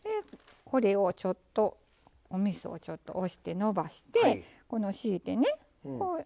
これをちょっとおみそをちょっと押してのばしてこの敷いてね